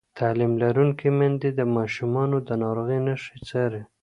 تعلیم لرونکې میندې د ماشومانو د ناروغۍ نښې څاري.